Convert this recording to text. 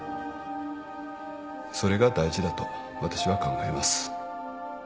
それが大事だと私は考えます。